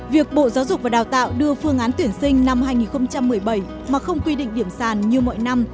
việc bộ giáo dục và đào tạo đưa phương án tuyển sinh năm hai nghìn một mươi bảy mà không quy định điểm sàn như mọi năm